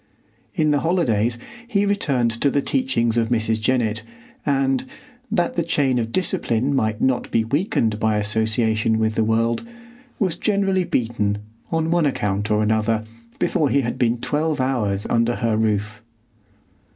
In the holidays he returned to the teachings of Mrs. Jennett, and, that the chain of discipline might not be weakened by association with the world, was generally beaten, on one account or another, before he had been twelve hours under her roof.